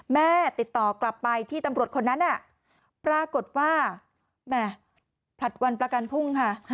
แม่ติดต่อกลับไปที่ตำรวจคนนั้นปรากฏว่าแม่ผลัดวันประกันพุ่งค่ะ